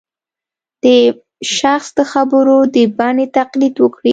د شخص د خبرو د بڼې تقلید وکړي